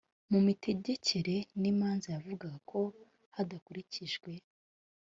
mu mitegekere n imanza yavugaga ko hadakurikijwe